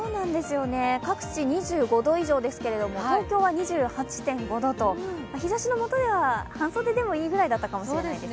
各地２５度以上ですけれども、東京は２８．５度と日ざしのもとでは半袖でもいいぐらいだったかもしれないですね。